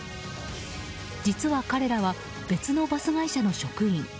実は彼らは別のバス会社の職員。